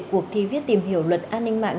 cuộc thi viết tìm hiểu luật an ninh mạng